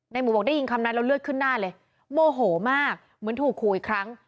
หมูบอกได้ยินคำนั้นแล้วเลือดขึ้นหน้าเลยโมโหมากเหมือนถูกขู่อีกครั้ง